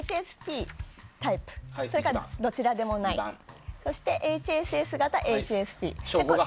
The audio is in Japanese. ＨＳＰタイプ、どちらでもないそして、ＨＳＳ型ＨＳＰ。